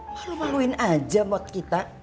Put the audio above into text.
malu maluin aja buat kita